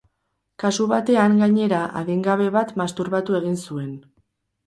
Kasu batean, gainera, adingabe bat masturbatu egin zuen.